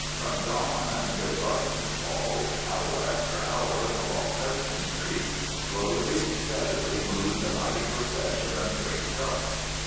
From dawn until darkness falls, hour after hour, along Hudson Street slowly, steadily moves a mighty procession of great trucks.